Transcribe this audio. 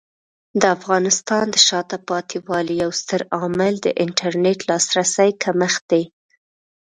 د افغانستان د شاته پاتې والي یو ستر عامل د انټرنیټ لاسرسي کمښت دی.